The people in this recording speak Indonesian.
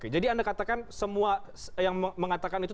jadi anda katakan semua yang mengatakan itu